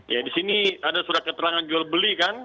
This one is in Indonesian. ya di sini ada surat keterangan jual beli kan